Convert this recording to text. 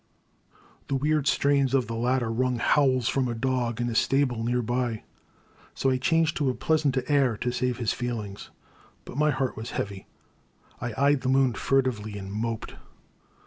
The weird strains of the latter wrung howls from a dog in a stable near by, so I changed to a pleasanter air to save his feelings. But my heart was heavy; I eyed the moon furtively and moped.